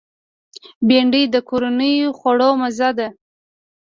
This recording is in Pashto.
بېنډۍ د کورنیو خوړو مزه ده